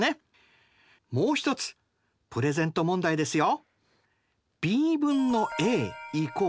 もう一つプレゼント問題ですよ！